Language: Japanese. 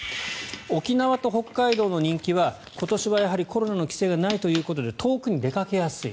沖縄と北海道の人気は今年はやはりコロナの規制がないということで遠くに出かけやすい。